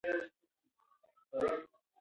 ده ته خوب ورغلی و.